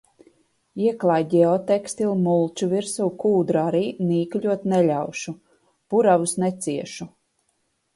Ieklāj ģeotekstilu, mulču virsū, kūdru arī, nīkuļot neļaušu. Puravus neciešu.